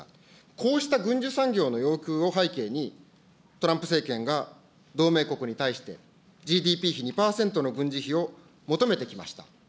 こうした軍需産業の要求を背景に、トランプ政権が同盟国に対して、ＧＤＰ比２％の軍事費を求めてきました。